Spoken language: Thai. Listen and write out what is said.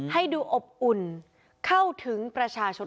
ให้ดูอบอุ่นเข้าถึงประชาชน